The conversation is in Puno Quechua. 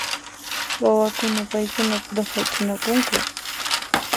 Wawakuna paykuna pura hayt'anakunku.